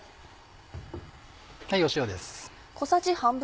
塩です。